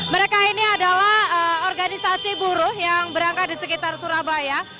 mereka ini adalah organisasi buruh yang berangkat di sekitar surabaya